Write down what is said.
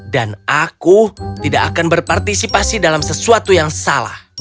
dan aku tidak akan berpartisipasi dalam sesuatu yang salah